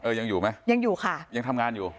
ยังอยู่ไหมยังอยู่ค่ะยังทำงานอยู่